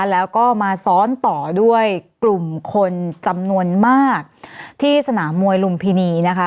แล้วก็มาซ้อนต่อด้วยกลุ่มคนจำนวนมากที่สนามมวยลุมพินีนะคะ